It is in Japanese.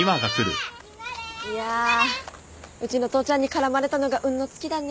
いやうちの父ちゃんに絡まれたのが運の尽きだね。